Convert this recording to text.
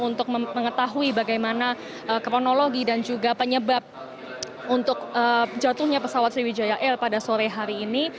untuk mengetahui bagaimana kronologi dan juga penyebab untuk jatuhnya pesawat sriwijaya air pada sore hari ini